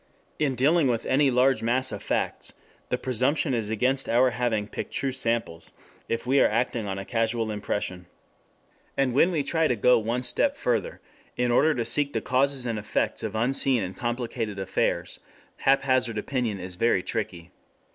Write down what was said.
In dealing with any large mass of facts, the presumption is against our having picked true samples, if we are acting on a casual impression. 9 And when we try to go one step further in order to seek the causes and effects of unseen and complicated affairs, haphazard opinion is very tricky.